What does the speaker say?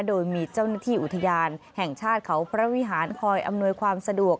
โดยมีเจ้าหน้าที่อุทยานแห่งชาติเขาพระวิหารคอยอำนวยความสะดวก